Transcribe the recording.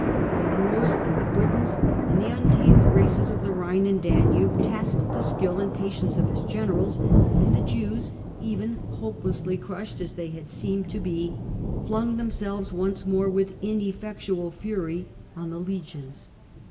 The Moors and the Britons and the un tamed races of the Rhine and Danube tasked the skill and patience of his generals, and the Jews even, hopelessly crushed as they had seemed to be, flung themselves once more with ineffectual fury on the legions.